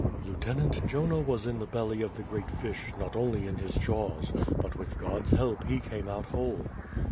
"Lieutenant, Jonah was in the belly of the great fish, not only in his jaws; but with God's help, he came out whole."